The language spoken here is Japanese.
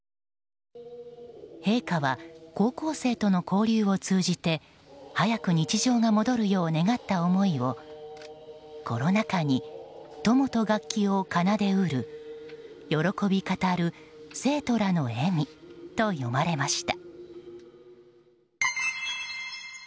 陛下は高校生との交流を通じて早く日常が戻るよう願った思いを「コロナ禍に友と楽器を奏でうる喜び語る生徒らの笑み」と詠まれました。